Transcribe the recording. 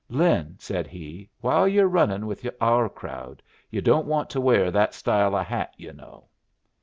"Lin," said he, "while you're running with our crowd, you don't want to wear that style of hat, you know."